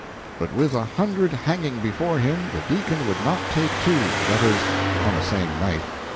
But with a hundred hanging before him the deacon would not take two that is, on the same night.